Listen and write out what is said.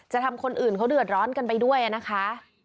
ทำคนอื่นเขาเดือดร้อนกันไปด้วยนะคะ